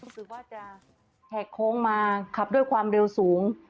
รู้สึกว่าจะแหกโค้งมาขับด้วยความเร็วสูง